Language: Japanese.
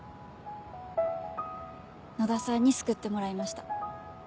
野田さんに救ってもらいました。